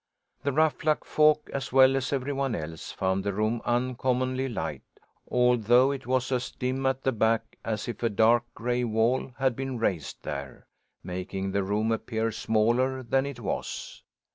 The Ruffluck folk, as well as every one else, found the room uncommonly light, although it was as dim at the back as if a dark gray wall had been raised there making the room appear smaller than it was.